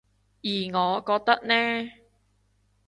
而我覺得呢